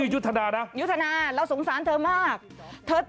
ยุทธนายุทธนาเราสงสารเธอมากคนนี้ชื่อยุทธนานะ